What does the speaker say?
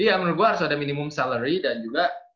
iya menurut gue harus ada minimum salary dan juga